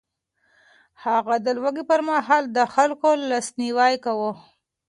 هغه د لوږې پر مهال د خلکو لاسنيوی کاوه.